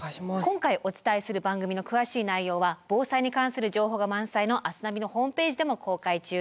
今回お伝えする番組の詳しい内容は防災に関する情報が満載の「明日ナビ」のホームページでも公開中です。